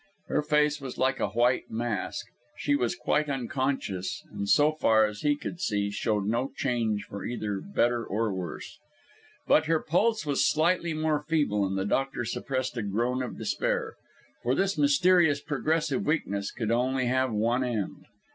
Her face was like a white mask; she was quite unconscious; and so far as he could see showed no change either for better or worse. But her pulse was slightly more feeble and the doctor suppressed a groan of despair; for this mysterious progressive weakness could only have one end.